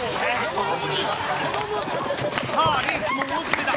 さあ、レースも大詰めだ。